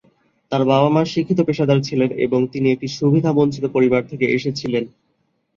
তাঁর বাবা-মা শিক্ষিত পেশাদার ছিলেন, এবং তিনি একটি সুবিধাবঞ্চিত পরিবার থেকে এসেছিলেন।